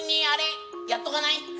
あれやっとかない？